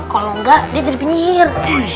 kalau enggak dia jadi penyihir